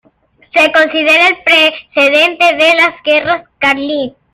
Se considera el precedente de las guerras carlistas.